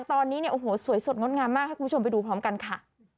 ตอนนี้เนี่ยโอ้โหสวยสดงดงามมากให้คุณผู้ชมไปดูพร้อมกันค่ะ